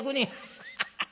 ハハハッ。